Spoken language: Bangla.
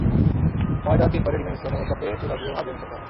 ময়দা তিন বারে ডিমের মিশ্রণে এসপে চুলা দিয়ে ভাঁজে মিশাতে হবে।